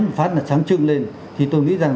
một phát là sáng trưng lên thì tôi nghĩ rằng